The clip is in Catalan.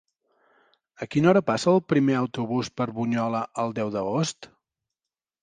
A quina hora passa el primer autobús per Bunyola el deu d'agost?